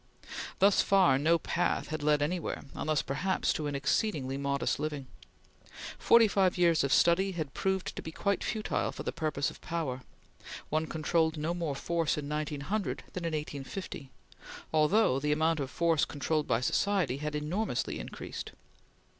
Thus far, no path had led anywhere, unless perhaps to an exceedingly modest living. Forty five years of study had proved to be quite futile for the pursuit of power; one controlled no more force in 1900 than in 1850, although the amount of force controlled by society had enormously increased.